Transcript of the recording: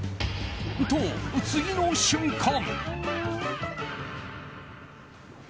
と、次の瞬間！